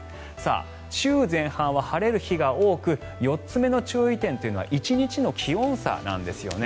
週前半は晴れる日が多く４つ目の注意点というのは１日の気温差なんですよね。